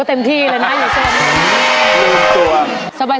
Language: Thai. ลืมตัว